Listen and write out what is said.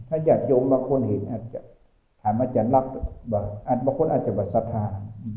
ถ้าญาติโยมบางคนเห็นอาจจะถามอาจารย์ลักษณ์บางคนอาจจะแบบศรัทธา